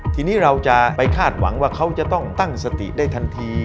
ทีนี้เราจะไปคาดหวังว่าเขาจะต้องตั้งสติได้ทันที